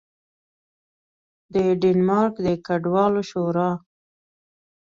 د ډنمارک د کډوالو شورا